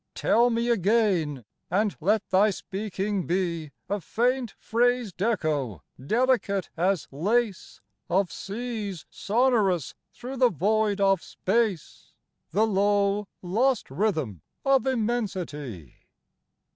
Tell me again, and let thy speaking be A faint phrased echo, delicate as lace, Of seas sonorous through the void of space, The low, lost rhythm of immensity.